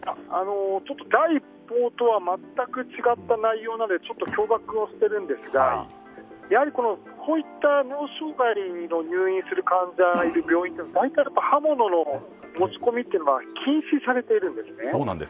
第一報とは全く違った内容なのでちょっと驚愕はしているんですがやはりこういった脳障害で入院する患者がいる病院は大体刃物の持ち込みというのは禁止されているんですね。